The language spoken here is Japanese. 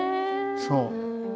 そう。